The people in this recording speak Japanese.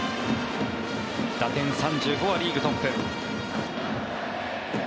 打点３５はリーグトップ。